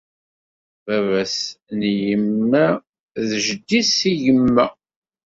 Baba-s n yemma d jeddi seg yemma.